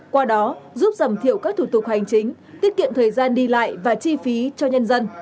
qua đó giúp giảm thiểu các thủ tục hành chính tiết kiệm thời gian đi lại và chi phí cho nhân dân